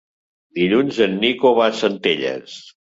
Dilluns en Nico va a Centelles.